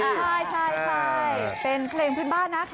ใช่ใช่จะเป็นเผลอผิดบ้านนะคะครับคุณ